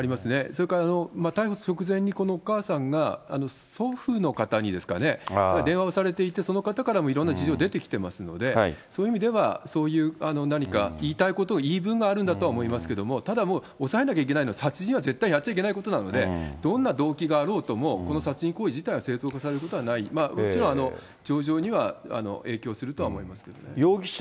それから、逮捕直前にこのお母さんが、祖父の方にですかね、電話をされていて、その方からもいろんな事情出てきてますので、そういう意味では、そういう何か言いたいことを、言い分があるんだと思いますけれども、ただもう、おさえなきゃいけないのは殺人は絶対にやっちゃいけないことなので、どんな動機があろうとも、この殺人行為は正当化されることはない、もちろん情状には影響するとは思いますけれどもね。